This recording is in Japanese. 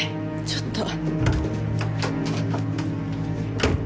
ちょっと。